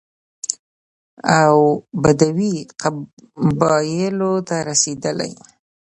او بدوي قبايلو ته رسېدلى،